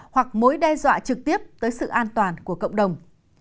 hoặc mối đe dọa trực tiếp tới sự an toàn của cộng đồng